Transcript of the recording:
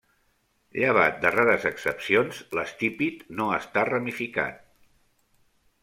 Llevat de rares excepcions, l'estípit no està ramificat.